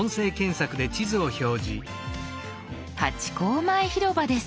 ハチ公前広場です。